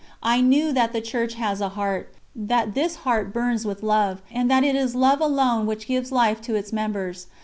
I knew that the Church has a heart, that this heart burns with love, and that it is love alone which gives life to its members.